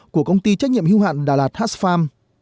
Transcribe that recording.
của công ty trách nhiệm hưu hạn đà lạt hatch farm